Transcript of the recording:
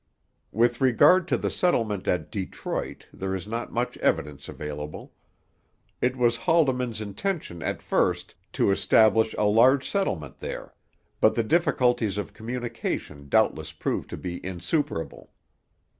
With regard to the settlement at Detroit, there is not much evidence available. It was Haldimand's intention at first to establish a large settlement there, but the difficulties of communication doubtless proved to be insuperable.